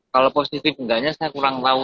kalau positif enggaknya saya kurang tahu